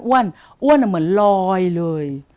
้วนอ้วนเหมือนลอยเลย